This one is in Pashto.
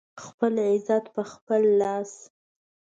خپل عزت په خپل لاس